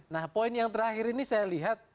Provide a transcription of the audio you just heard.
nah poin yang terakhir ini saya lihat